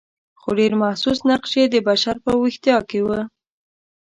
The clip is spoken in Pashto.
خو ډېر محسوس نقش یې د بشر په ویښتیا کې و.